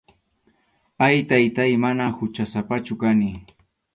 Ay, Taytáy, manam huchasapachu kani.